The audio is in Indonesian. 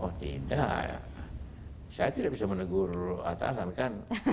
oh tidak saya tidak bisa menegur atasan kan